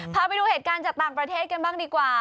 พาไปดูเหตุการณ์จากต่างประเทศกันบ้างดีกว่า